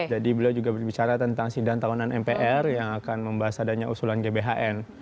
jadi beliau juga berbicara tentang sindang tahunan mpr yang akan membahas adanya usulan gbhn